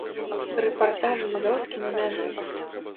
Рэпартаж з вёскі на мяжы.